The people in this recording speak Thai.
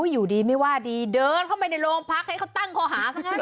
อยู่ดีไม่ว่าดีเดินเข้าไปในโรงพักให้เขาตั้งคอหาซะงั้น